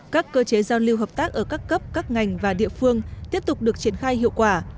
các cơ chế giao lưu hợp tác ở các cấp các ngành và địa phương tiếp tục được triển khai hiệu quả